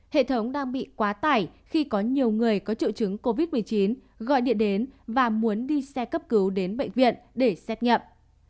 hệ thống đang bị quá tải khi có nhiều người có triệu chứng covid một mươi chín gọi điện đến và muốn đi xe cấp cứu đến bệnh viện để xét nghiệm